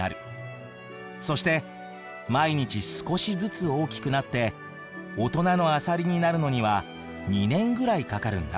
そして毎日少しずつ大きくなって大人のアサリになるのには２年ぐらいかかるんだ。